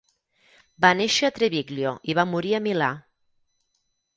Va néixer a Treviglio i va morir a Milà.